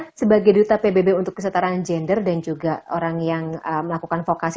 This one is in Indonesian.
mbak hana sebagai duta pbb untuk kesatuan gender dan juga orang yang melakukan vokal